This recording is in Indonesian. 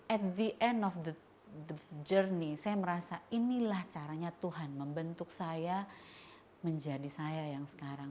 at the end of the journey saya merasa inilah caranya tuhan membentuk saya menjadi saya yang sekarang